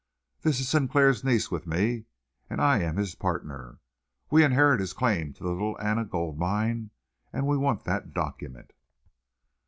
This is Sinclair's niece with me, and I am his partner. We inherit his claim to the Little Anna Gold Mine, and we want that document."